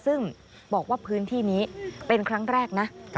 ซึ่งบอกว่าพื้นที่นี้เป็นครั้งแรกนะ